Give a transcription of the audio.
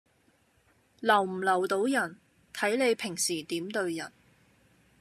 留唔留到人，睇你平時點對人